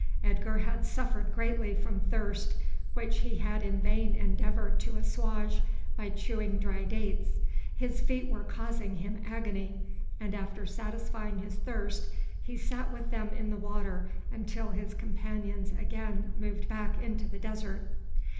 Edgar had suffered greatly from thirst, which he had in vain endeavoured to assuage by chewing dry dates. His feet were causing him agony, and after satisfying his thirst he sat with them in the water until his companions again moved back into the desert.